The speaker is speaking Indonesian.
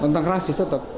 tentang rasis tetap